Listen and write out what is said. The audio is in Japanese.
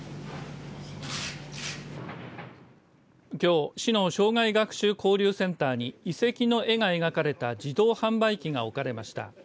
きょう、市の生涯学習交流センターに遺跡の絵が描かれた自動販売機が置かれました。